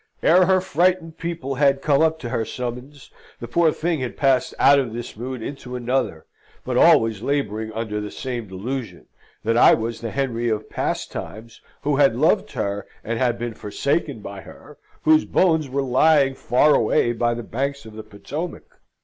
Ere her frightened people had come up to her summons, the poor thing had passed out of this mood into another; but always labouring under the same delusion that I was the Henry of past times, who had loved her and had been forsaken by her, whose bones were lying far away by the banks of the Potomac.